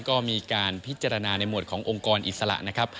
ก็มีการพิจารณาในหมวดขององค์กรอิสระนะครับ